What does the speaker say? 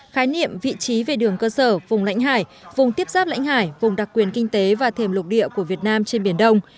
khái niệm vị trí về đường cơ sở vùng lãnh hải vùng tiếp giáp lãnh hải vùng đặc quyền kinh tế và thềm lục địa của việt nam trên biển đông